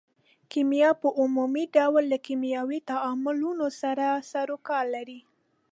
کیمیا په عمومي ډول له کیمیاوي تعاملونو سره سرو کار لري.